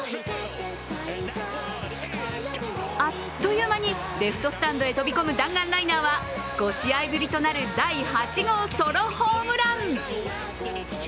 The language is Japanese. あっという間にレフトスタンドへ飛び込む弾丸ライナーは５試合ぶりとなる第８号ソロホームラン。